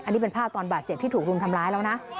อันนี้เป็นภาพตอนบาดเจ็บที่ถูกรุมทำร้ายแล้วนะ